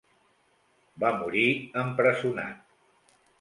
Va morir empresonat.